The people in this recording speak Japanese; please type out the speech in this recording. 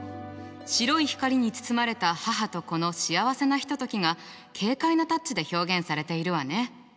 白い光に包まれた母と子の幸せなひとときが軽快なタッチで表現されているわね。